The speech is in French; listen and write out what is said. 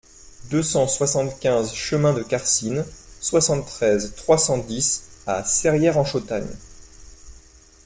deux cent soixante-quinze chemin de Carsine, soixante-treize, trois cent dix à Serrières-en-Chautagne